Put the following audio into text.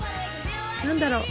何だろう？